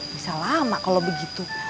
bisa lama kalau begitu